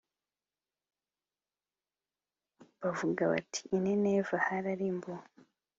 bavuge bati “I Nineve hararimbuwe.